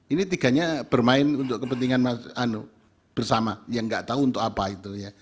ini tiganya bermain untuk kepentingan bersama yang nggak tahu untuk apa itu ya